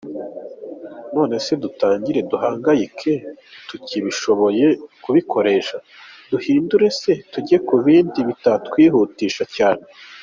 Nonese dutangire duhangayike ntitugishoboye kubikoresha? Duhindure se tujye ku bindi bitatwihutisha cyane.